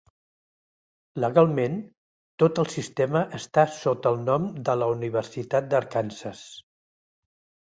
Legalment, tot el sistema està sota el nom de la Universitat d'Arkansas.